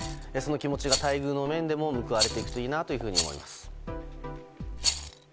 その気持ちが待遇の面でも報われていくといいなと思います。